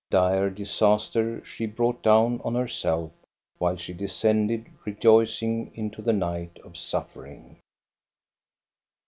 Dire disaster she brought down on herself while she descended rejoicing into the night of suffering.